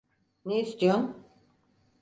Ne istiyon…